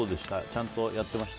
ちゃんとやってました？